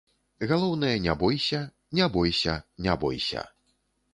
Галоўнае, не бойся, не бойся, не бойся.